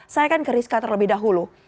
saya akan ke rizka terlebih dahulu